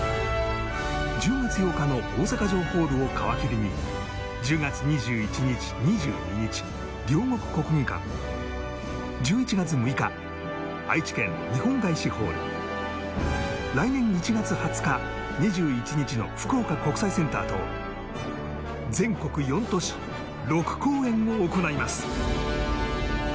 １０月８日の大阪城ホールを皮切りに１０月２１日２２日両国国技館１１月６日愛知県日本ガイシホール来年１月２０日２１日の福岡国際センターと全国４都市６公演を行います